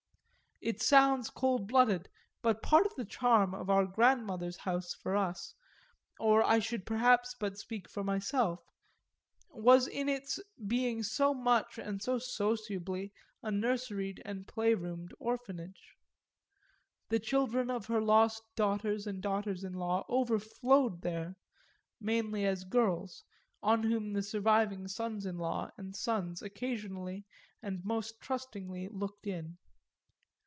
It sounds cold blooded, but part of the charm of our grandmother's house for us or I should perhaps but speak for myself was in its being so much and so sociably a nurseried and playroomed orphanage. The children of her lost daughters and daughters in law overflowed there, mainly as girls; on whom the surviving sons in law and sons occasionally and most trustingly looked in.